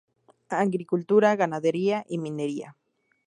Agricultura, ganadería y minería.